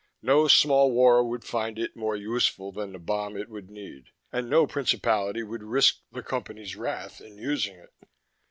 No small war would find it more useful than the bomb it would need and no principality would risk the Company's wrath in using it.